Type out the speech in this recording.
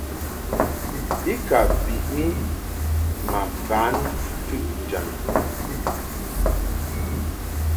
I ka biʼni ma ban ntɨʼnjam i.